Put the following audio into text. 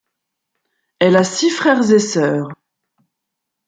Elle a six frères et sœurs.